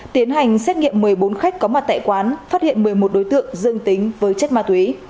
tiến hành xét nghiệm một mươi bốn khách có mặt tại quán phát hiện một mươi một đối tượng dương tính với chất ma túy